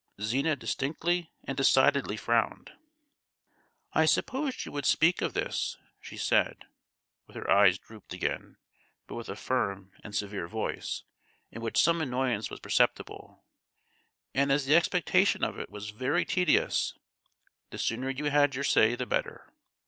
Zina distinctly and decidedly frowned. "I supposed you would speak of this," she said, with her eyes drooped again, but with a firm and severe voice, in which some annoyance was perceptible; "and as the expectation of it was very tedious, the sooner you had your say, the better!